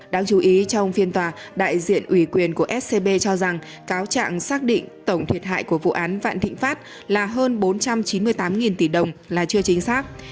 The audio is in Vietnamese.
đáng chú ý trong phiên tòa đại diện ủy quyền của scb cho rằng cáo trạng xác định tổng thiệt hại của vụ án vạn thịnh pháp là hơn bốn trăm chín mươi tám tỷ đồng là chưa chính xác